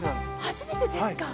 初めてですか。